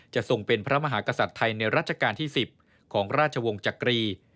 ทรงเป็นพระมหากษัตริย์ไทยในรัชกาลที่๑๐ของราชวงศ์จักรี